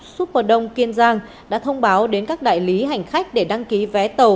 superdong kiên giang đã thông báo đến các đại lý hành khách để đăng ký vé tàu